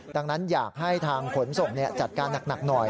ดังนั้นอยากให้ทางขนส่งจัดการหนักหน่อย